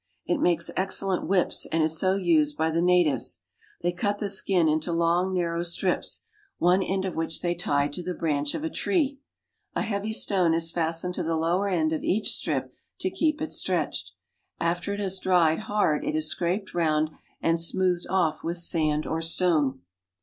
It makes excellent whips and is so used by the natives. They cut the skin into long, narrow strips, one THE STRANGE ANIMALS OF AFRICA 59 Ed of which they tie to the branch of a tree. A heavy me is fastened to the lower end of each strip to keep it stretched. After it has dried hard it is scraped round and smoothed off with sand or stone.